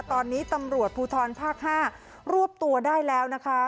ตอนนี้ตำรวจภูทรภาค๕รวบตัวได้แล้วนะคะ